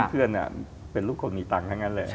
เพื่อนเป็นลูกคนมีตังค์ทั้งนั้นแหละ